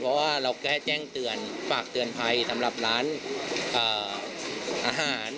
เพราะว่าเราแค่แจ้งเตือนฝากเตือนภัยสำหรับร้านอาหาร